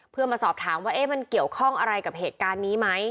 เพื่อมาสอบถามว่ามันเกี่ยวข้องอะไรกับเหตุการณ์นี้ไหม